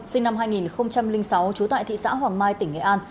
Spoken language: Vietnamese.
sinh năm hai nghìn sáu trú tại thị xã hoàng mai tỉnh nghệ an